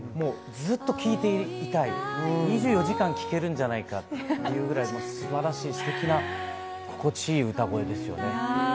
ずっと聴いていたい、２４時間、聴けるんじゃないかというくらい素晴らしいステキな心地いい歌声ですよね。